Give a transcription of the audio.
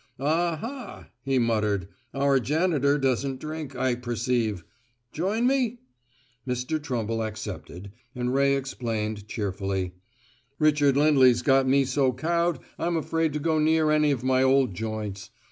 "Aha," he muttered, "our janitor doesn't drink, I perceive. Join me?" Mr. Trumble accepted, and Ray explained, cheerfully: "Richard Lindley's got me so cowed I'm afraid to go near any of my old joints.